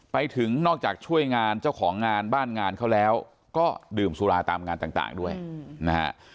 ไปถึงนอกจากช่วยงานเจ้าของงานบ้านงานเขาแล้วก็ดื่มสุราตามงานต่างด้วยนะฮะ